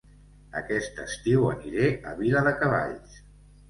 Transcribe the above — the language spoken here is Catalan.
Aquest estiu aniré a Viladecavalls